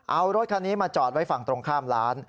เอารถคันนี้มาจอดไว้ฝั่งตรงข้ามร้าน